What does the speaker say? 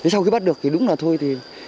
sau khi bắt được thì đúng là thôi thì